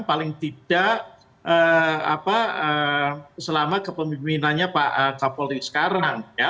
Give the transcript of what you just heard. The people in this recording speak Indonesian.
paling tidak selama kepemimpinannya pak kapolri sekarang